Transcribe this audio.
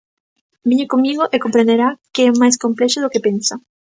Veña comigo e comprenderá que é máis complexo do que pensa.